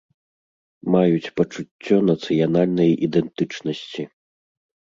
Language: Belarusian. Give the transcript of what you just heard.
Маюць пачуццё нацыянальнай ідэнтычнасці.